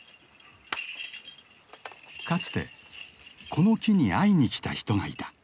かつてこの木に会いにきた人がいた。